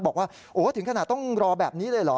บอกว่าโอ้ถึงขนาดต้องรอแบบนี้เลยเหรอ